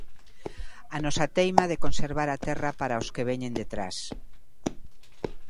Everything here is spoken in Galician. A nosa teima de conservar a terra para os que veñan detrás.